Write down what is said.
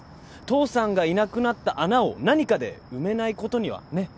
父さんがいなくなった穴を何かで埋めないことにはねっ。